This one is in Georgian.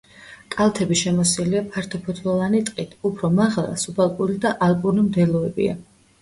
კალთები შემოსილია ფართოფოთლოვანი ტყით; უფრო მაღლა სუბალპური და ალპური მდელოებია.